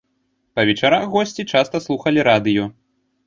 Па вечарах госці часта слухалі радыё.